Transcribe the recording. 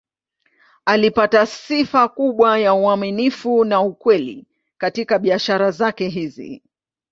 Alipata sifa kubwa ya uaminifu na ukweli katika biashara zake hizi.